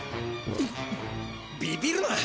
ビビるな！